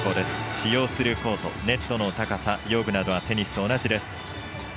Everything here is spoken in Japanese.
使用するコートネットの高さ、用具などはテニスと同じです。